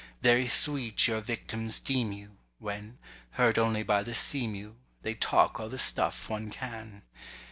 Very sweet your victims deem you, When, heard only by the seamew, they talk all the stuff one can.